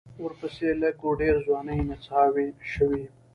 ورپسې لږ و ډېرې ځوانې نڅاوې شوې.